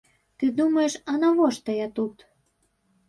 Ты думаеш, а навошта я тут?